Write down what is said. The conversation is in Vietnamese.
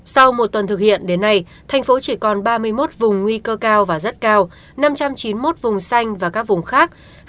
sau một tuần thực hiện đến nay thành phố chỉ còn ba mươi một vùng nguy cơ cao và rất cao năm trăm chín mươi một vùng xanh và các vùng khác